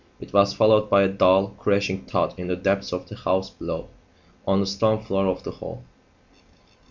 It was followed by a dull, crashing thud in the depths of the house below on the stone floor of the hall.